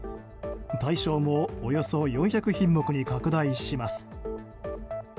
対象もおよそ４００品目に拡大します。